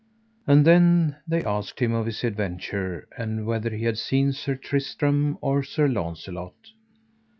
And then they asked him of his adventures, and whether he had seen Sir Tristram or Sir Launcelot.